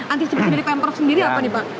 antisipasi dari pemprov sendiri apa nih pak